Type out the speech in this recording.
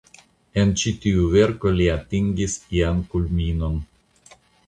En ĉi tiu verko li atingis ian kulminon.